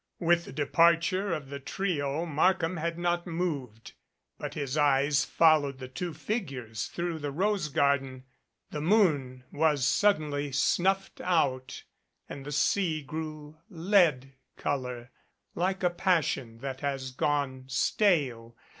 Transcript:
With the departure of the trio Markham had not moved, but his eyes followed the two figures through the rose garden. The moon was suddenly snuffed out and the sea grew lead color like a passion that has gone stale.